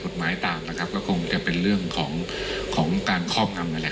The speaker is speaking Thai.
กรณีนี้ทางด้านของประธานกรกฎาได้ออกมาพูดแล้ว